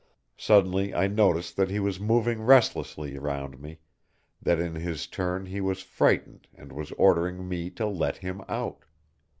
Suddenly I noticed that he was moving restlessly round me, that in his turn he was frightened and was ordering me to let him out.